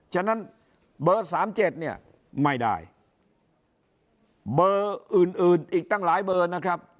ฉะนั้นเบอร์๓๗เนี่ยไม่ได้เบอร์อื่นอื่นอีกตั้งหลายเบอร์นะครับ